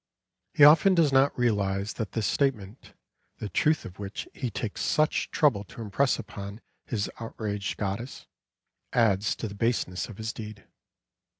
He often does not realise that this statement, the truth of which he takes such trouble to impress upon his outraged goddess, adds to the baseness of his deed.